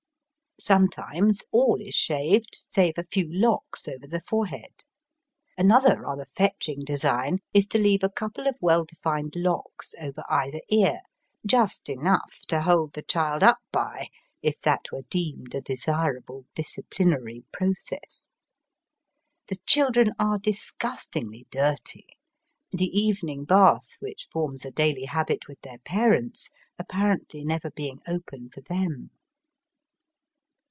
Sometimes all is shaved save a few locks over the forehead. Another rather fetching design is to leave a couple^ of well defined locks over either ear, just enough to hold the child up by if that were deemed a desirable disciplinary process. The children are disgustingly dirty, the even ing .bath which forms a daily habit with their parents apparently never being open for them.